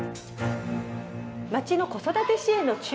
町の子育て支援の中心。